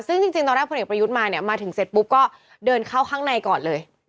ซึ่งจริงตอนแรกพลเอกประยุทธ์มาเนี่ยมาถึงเสร็จปุ๊บก็เดินเข้าข้างในก่อนเลย